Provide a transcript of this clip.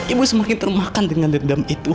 ibu semakin terumahkan dengan dendam itu